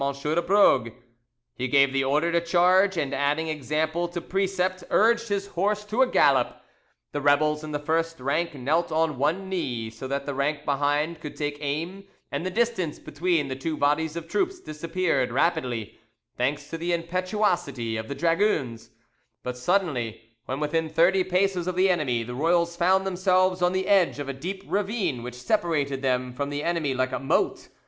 de Brogue: he gave the order to charge, and adding example to precept, urged his horse to a gallop. The rebels in the first rank knelt on one knee, so that the rank behind could take aim, and the distance between the two bodies of troops disappeared rapidly, thanks to the impetuosity of the dragoons; but suddenly, when within thirty paces of the enemy, the royals found themselves on the edge of a deep ravine which separated them from the enemy like a moat.